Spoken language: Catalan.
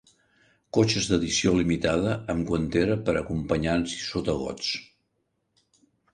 Cotxes d'edició limitada amb guantera per a acompanyants i sotagots.